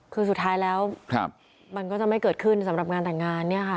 คือสุดท้ายแล้วมันก็จะไม่เกิดขึ้นสำหรับงานแต่งงานเนี่ยค่ะ